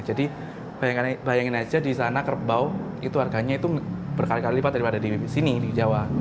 jadi bayangin aja di sana kerbau itu harganya itu berkali kali lipat daripada di sini di jawa